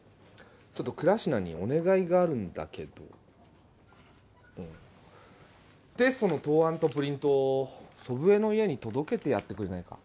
ちょっと倉科にお願いがあるんだけどテストの答案とプリントを祖父江の家に届けてやってくれないか？